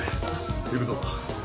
行くぞ。